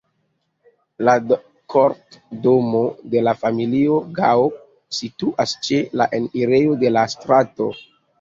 La kortdomo de la familio Gao situas ĉe la enirejo de la strato.